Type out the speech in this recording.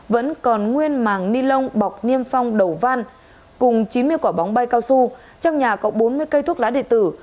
vẫn còn nguyên màng ni lông bọc niêm phong đầu van cùng chín mươi quả bóng bay cao su trong nhà có bốn mươi cây thuốc lá điện tử